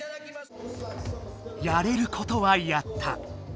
やれることはやった。